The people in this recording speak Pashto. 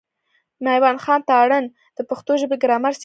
مېوند خان تارڼ د پښتو ژبي ګرامر څېړي.